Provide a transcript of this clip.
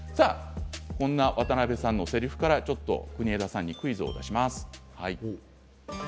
こんな渡辺さんのせりふから国枝さんにクイズを出します。